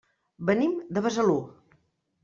Venim de Besalú.